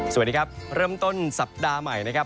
สวัสดีครับเริ่มต้นสัปดาห์ใหม่นะครับ